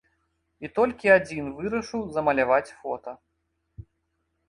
І толькі адзін вырашыў замаляваць фота.